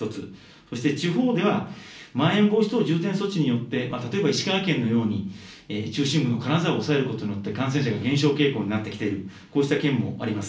そして地方では、まん延防止等重点措置によって、例えば石川県のように中心部の金沢を抑えることによって、感染者が減少傾向になってきている、こうした県もあります。